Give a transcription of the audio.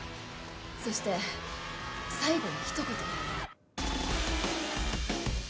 そして最後にひと言。